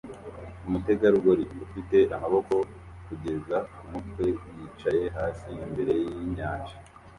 Umutegarugori ufite amaboko kugeza ku mutwe yicaye hasi imbere yinyanja